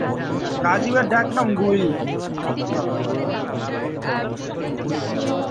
County ক্রিকেটে প্রচুর run তুলেছেন।